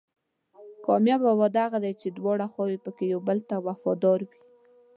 کامیابه واده هغه دی چې دواړه خواوې پکې یو بل ته وفادار وي.